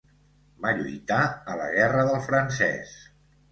Va lluitar a la Guerra del Francès.